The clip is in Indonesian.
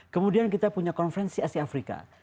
kemudian kita punya konferensi asia afrika